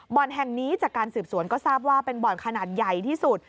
แห่งนี้จากการสืบสวนก็ทราบว่าเป็นบ่อนขนาดใหญ่ที่สุด